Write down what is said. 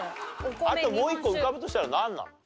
あともう一個浮かぶとしたらなんなの？